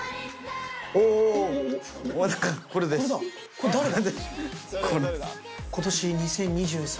これ誰だ？